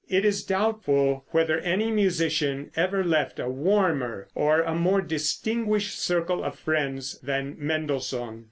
It is doubtful whether any musician ever left a warmer or a more distinguished circle of friends than Mendelssohn.